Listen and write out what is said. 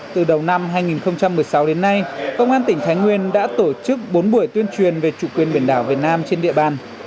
từ đầu năm hai nghìn một mươi sáu đến nay công an tỉnh thái nguyên đã tổ chức bốn buổi tuyên truyền về chủ quyền biển đảo việt nam trên địa bàn